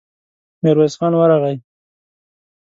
ميرويس خان ورغی.